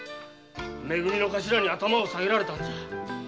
「め組」のカシラに頭を下げられたんじゃ。